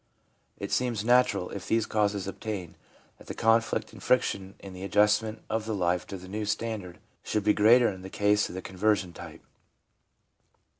It seems natural, if these causes obtain, that the conflict and friction in the adjustment of life to the new standard should be greater in the case of the conversion type.